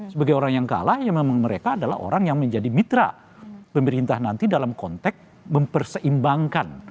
sebagai orang yang kalah ya memang mereka adalah orang yang menjadi mitra pemerintah nanti dalam konteks mempersembangkan